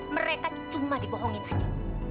mereka cuma dibohongin aja